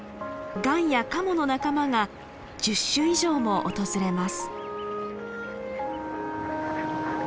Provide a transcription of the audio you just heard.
ガンやカモの仲間が１０種以上も訪れます。